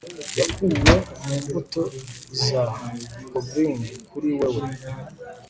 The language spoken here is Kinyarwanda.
Yakuwe mu mbuto za goblin kuri wewe